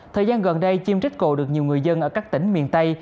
thời gian gần đây chim trích cổ được nhiều người dân ở các tỉnh miền tây